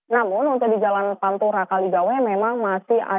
namun untuk di jalan panturakaligawe memang masih anggun